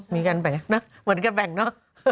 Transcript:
มีการแบ่งนะเหมือนกับแบ่งเนอะ